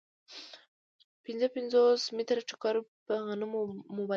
پنځه پنځوس متره ټوکر په غنمو مبادله شو